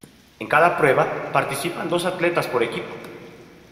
En cada prueba participan dos atletas por equipo.